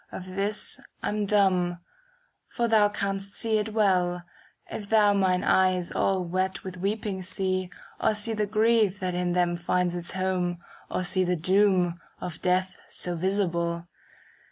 Of this I'm dumb ; for thou canst see it well, If thou mine eyes all wet with weeping see. Or see the grief that in them finds its home, ^ Or see the doom, of death so visible.